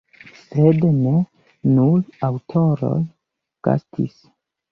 Sed ne nur aŭtoroj gastis.